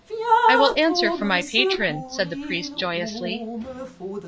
"I will answer for my patron," said the Priest, joyously.